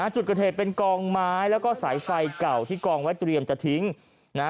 จุดเกิดเหตุเป็นกองไม้แล้วก็สายไฟเก่าที่กองไว้เตรียมจะทิ้งนะฮะ